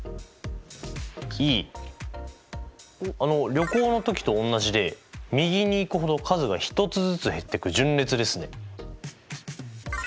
旅行の時とおんなじで右に行くほど数が１つずつ減ってく順列ですね。